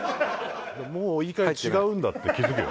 もういい加減違うんだって気づけよ。